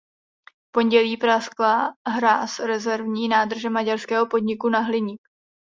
V pondělí praskla hráz rezervní nádrže maďarského podniku na hliník.